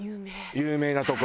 有名な所。